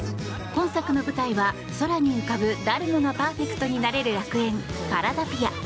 今作の舞台は空に浮かぶ誰もがパーフェクトになれる楽園パラダピア。